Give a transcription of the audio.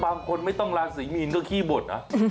บางคนไม่ต้องราศีมีนก็ขี้บทนะ